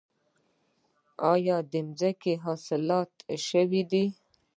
آیا د ځمکې اصلاحات شوي دي؟